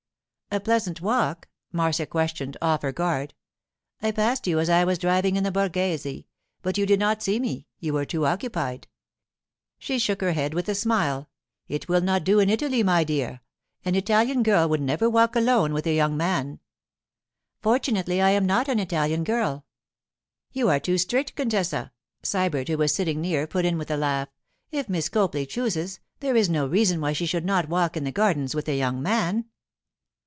'A pleasant walk?' Marcia questioned, off her guard. 'I passed you as I was driving in the Borghese. But you did not see me; you were too occupied.' She shook her head, with a smile. 'It will not do in Italy, my dear. An Italian girl would never walk alone with a young man.' 'Fortunately I am not an Italian girl.' 'You are too strict, contessa,' Sybert, who was sitting near, put in with a laugh. 'If Miss Copley chooses, there is no reason why she should not walk in the gardens with a young man.